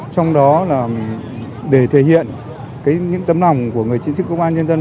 trong đó là để thể hiện những tấm lòng của người chiến sĩ công an nhân dân